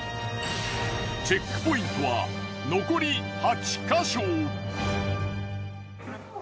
チェックポイントは残り８か所。